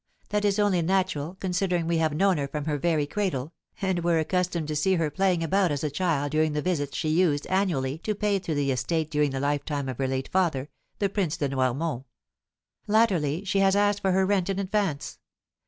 that is only natural, considering we have known her from her very cradle, and were accustomed to see her playing about as a child during the visits she used annually to pay to the estate during the lifetime of her late father, the Prince de Noirmont. Latterly she has asked for her rent in advance.